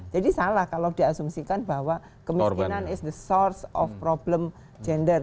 jadi salah kalau diasumsikan bahwa kemiskinan is the source of problem gender